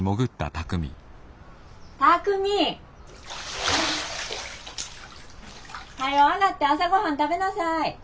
巧海。はよ上がって朝ごはん食べなさい。